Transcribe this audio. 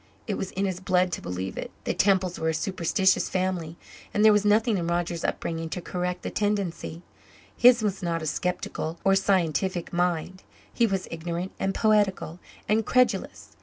It was in his blood to believe it. The Temples were a superstitious family, and there was nothing in Roger's upbringing to correct the tendency. His was not a sceptical or scientific mind. He was ignorant and poetical and credulous.